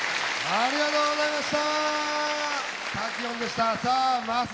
ありがとうございます。